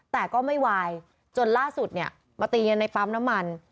แต่ก็ไม่วายจนล่าสุดเนี่ยมาตีกันในปั๊มน้ำมัน